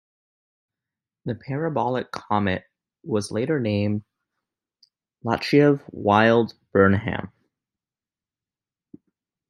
The parabolic comet was later named "Latyshev-Wild-Burnham".